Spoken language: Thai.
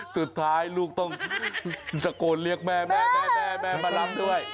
สุดท้ายลูกต้องตะโกนเรียกแม่แม่แม่มารับด้วย